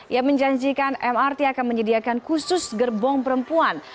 ia menjanjikan mrt akan menyediakan khusus gerbong perempuan